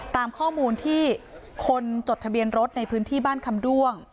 ตามข้อมูลที่คนจดทะเบียนรถในพื้นที่บ้านคำด้วง